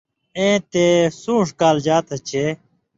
ایں تے سُون٘ݜ کالژا تھہۡ چے